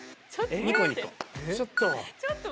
ちょっと。